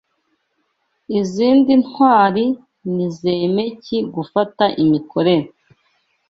Izindi ntwari ni Zemeki "gufata imikorere"